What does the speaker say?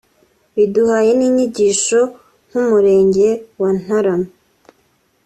Biduhaye n’inyigisho nk’ Umurenge wa Ntarama